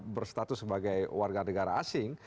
berstatus sebagai warganegara asing